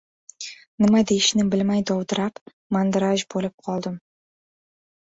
Nima deyishni bilmay dovdirab, mandiraj boʻp qoldim.